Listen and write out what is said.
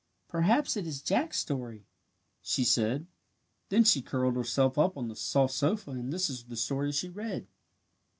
"Perhaps it is Jack's story," she said. Then she curled herself up on the soft sofa and this is the story she read.